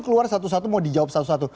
keluar satu satu mau dijawab satu satu